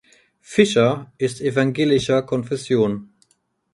Fischer ist evangelischer Konfession.